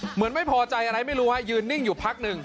เหมือนไม่พอใจอะไรไม่รู้ฮะยืนนิ่งอยู่พักหนึ่ง